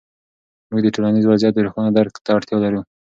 موږ د ټولنیز وضعیت روښانه درک ته اړتیا لرو.